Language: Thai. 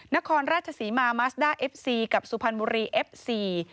นครราชศรีมามัสด้าเอฟซีกับสุพรรณบุรีเอฟซี